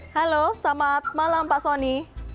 halo selamat malam pak soni